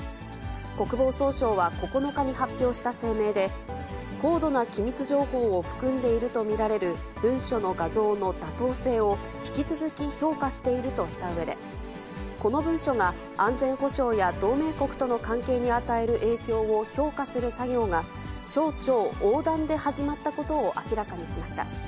国防総省は９日に発表した声明で、高度な機密情報を含んでいると見られる、文書の画像の妥当性を引き続き評価しているとしたうえで、この文書が、安全保障や同盟国との関係に与える影響を評価する作業が、省庁横断で始まったことを明らかにしました。